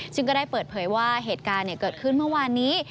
ซึ่งก็ได้เปิดเผยว่าเหตุการณ์เกิดขึ้นเมื่อวานนี้